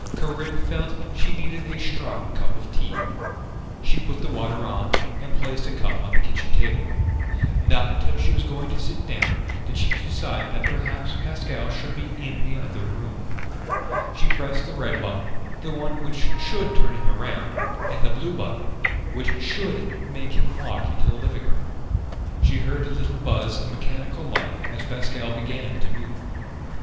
Corinne felt she needed a strong cup of tea. She put the water on and placed a cup on the kitchen table. Not until she was going to sit down did she decide that perhaps Pascal should be in the other room. She pressed the red button, the one which should turn him around, and the blue button, which should make him walk into the living room. She heard the little buzz of mechanical life as Pascal began to move.